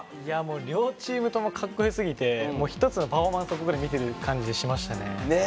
両チームともかっこよすぎて一つのパフォーマンスを見ている感じがしましたね。